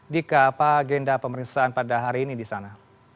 dika apa agenda pemeriksaan pada hari ini di sana